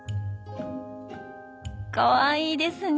かわいいですね。